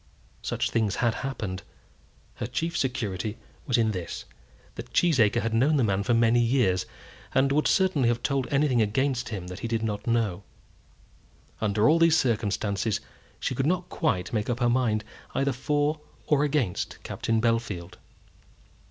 Such things had happened. Her chief security was in this, that Cheesacre had known the man for many years, and would certainly have told anything against him that he did know. Under all these circumstances, she could not quite make up her mind either for or against Captain Bellfield.